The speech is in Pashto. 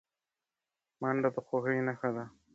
منډه د خوښۍ نښه ده